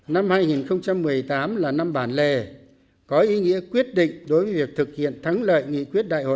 năm hai nghìn một mươi tám là năm bản lề có ý nghĩa quyết định đối với việc thực hiện thắng lợi nghị quyết đại hội một mươi hai của đảng